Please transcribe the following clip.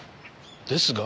ですが？